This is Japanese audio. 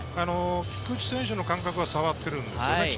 菊池選手の感覚は触っているんですよね。